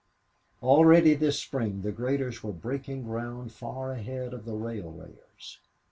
Already this spring the graders were breaking ground far ahead of the rail layers.